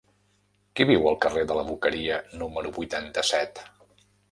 Qui viu al carrer de la Boqueria número vuitanta-set?